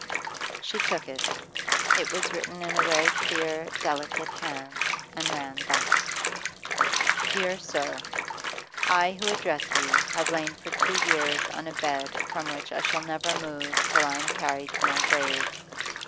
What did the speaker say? She took it. It was written in a very clear, delicate hand, and ran thus: 'DEAR SIR, I who address you have lain for two years on a bed from which I shall never move till I am carried to my grave.